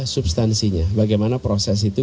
substansinya bagaimana proses itu